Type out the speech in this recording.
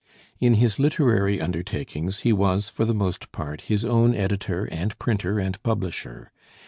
In his literary undertakings he was for the most part his own editor and printer and publisher.